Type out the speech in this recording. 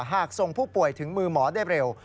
ส่งผู้ป่วยถึงมือหมอได้เร็ว